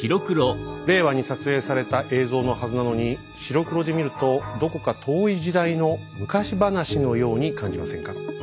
令和に撮影された映像のはずなのに白黒で見るとどこか遠い時代の昔話のように感じませんか？